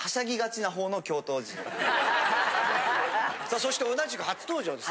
そして同じく初登場です。